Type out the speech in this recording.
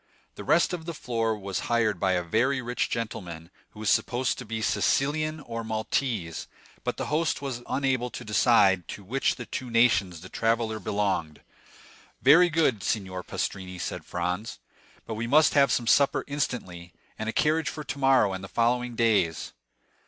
The rest of the floor was hired by a very rich gentleman who was supposed to be a Sicilian or Maltese; but the host was unable to decide to which of the two nations the traveller belonged. "Very good, signor Pastrini," said Franz; "but we must have some supper instantly, and a carriage for tomorrow and the following days."